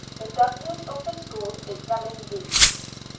THE GOVERNORS OF THE SCHOOL EXAMINE RUTH.